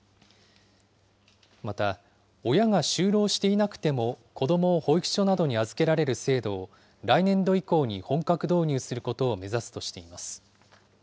また、親が就労していなくても子どもを保育所などに預けられる制度を、来年度以降に本格導入することを目指すとしています。